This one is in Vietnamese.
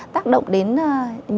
tác động đến các bệnh lý về gan